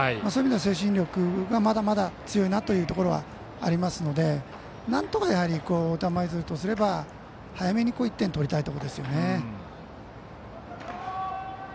そういう意味では精神力がまだまだ強いなというところがありますのでなんとかやはり大分舞鶴とすれば早めに１点取りたいところですね。